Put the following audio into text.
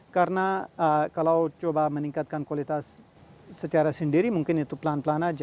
karena kalau coba meningkatkan kualitas secara sendiri mungkin itu pelan pelan saja